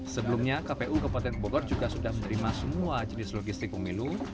sebelumnya kpu kabupaten bogor juga sudah menerima semua jenis logistik pemilu